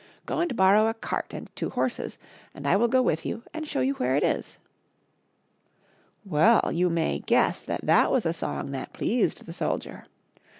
Go and borrow a cart and two horses, and I will go with you and show you where it is." Well, you may guess that that was a song that pleased the soldier.